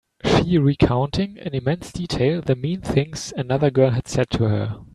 She recounting in immense detail the mean things another girl had said to her.